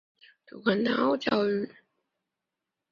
主管南澳教育的政府部门为教育及儿童培育署。